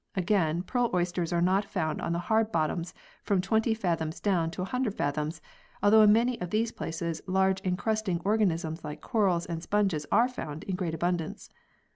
Again, pearl oysters are not found on the hard bottoms from twenty fathoms down to a hundred fathoms, although in many of these places large encrusting organisms like corals and sponges are found in great abundance.